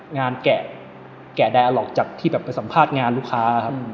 งานแกะแกะไดาล็อกจากที่เป็นสัมภาษณ์งานลูกค้าครับ